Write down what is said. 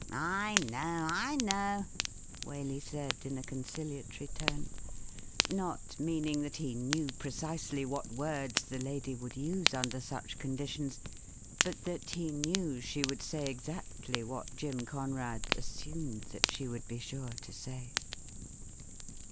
' I know — I know,' Waley said in a conciliatory tone, not meaning that he knew precisely what words the lady would use under such conditions, but that he knew she would say exactly what Jim Conrad assumed that she would be sure to say.